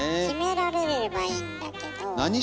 決められればいいんだけど。